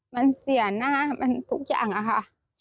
มันเสียหน้ามันทุกอย่างอะค่ะ